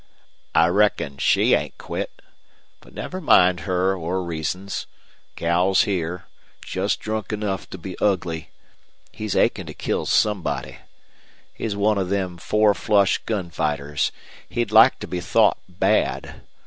"I reckon she ain't quit. But never mind her or reasons. Cal's here, just drunk enough to be ugly. He's achin' to kill somebody. He's one of them four flush gun fighters. He'd like to be thought bad.